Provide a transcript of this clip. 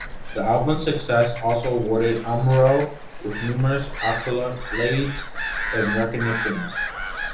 The album's success also awarded Amuro with numerous accolades and recognition.